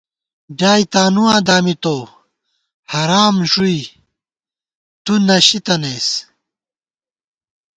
ڈیائے تانُواں دامِتُوؤ ، حرام ݫُوئی تُو نَشی تَنَئیس